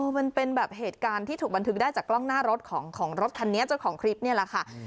มันเป็นแบบเหตุการณ์ที่ถูกบันทึกได้จากกล้องหน้ารถของรถคันนี้เจ้าของคลิปนี่แหละค่ะ